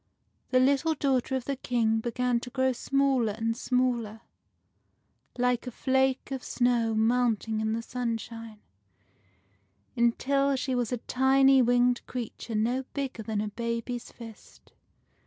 The little daughter of the King began to grow smaller and smaller, like a flake of snow melting in the sunshine, until she was a tiny winged creature no bigger than a baby's fist.